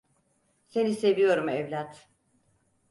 Seni seviyorum evlat.